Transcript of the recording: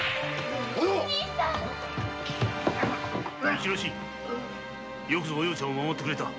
一之進よくぞお葉ちゃんを守ってくれた。